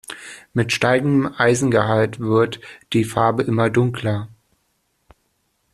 Mit steigendem Eisengehalt wird die Farbe immer dunkler.